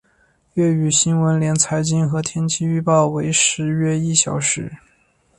粤语新闻连财经和天气报告为时约一小时。